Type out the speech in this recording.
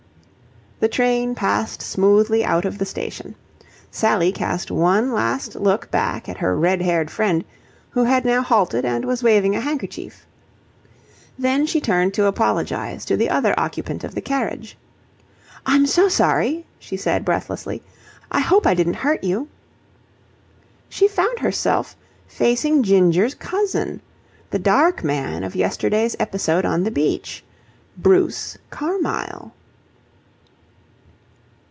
The train passed smoothly out of the station. Sally cast one last look back at her red haired friend, who had now halted and was waving a handkerchief. Then she turned to apologize to the other occupant of the carriage. "I'm so sorry," she said, breathlessly. "I hope I didn't hurt you." She found herself facing Ginger's cousin, the dark man of yesterday's episode on the beach, Bruce Carmyle.